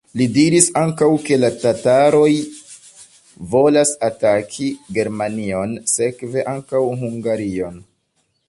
Li diris ankaŭ, ke la tataroj volas ataki Germanion, sekve ankaŭ Hungarion.